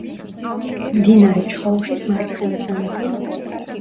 მდინარე ჩხოუშის მარცხენა სანაპირო.